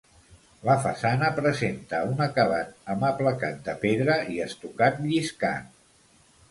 La façana presenta un acabat amb aplacat de pedra i estucat lliscat.